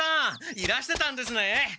いらしてたんですね。